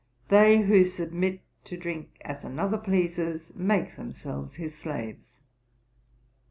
They who submit to drink as another pleases, make themselves his slaves.'